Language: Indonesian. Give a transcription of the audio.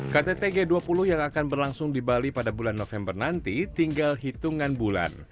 ktt g dua puluh yang akan berlangsung di bali pada bulan november nanti tinggal hitungan bulan